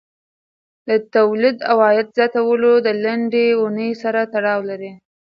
د تولید او عاید زیاتوالی د لنډې اونۍ سره تړاو لري.